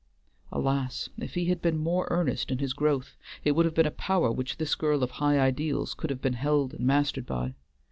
Alas! if he had been more earnest in his growth, it would have been a power which this girl of high ideals could have been held and mastered by.